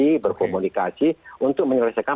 berkomunikasi untuk menyelesaikan